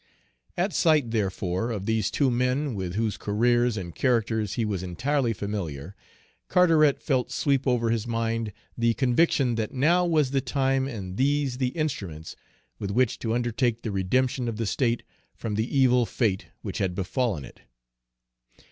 At sight, therefore, of these two men, with whose careers and characters he was entirely familiar, Carteret felt sweep over his mind the conviction that now was the time and these the instruments with which to undertake the redemption of the state from the evil fate which had befallen it.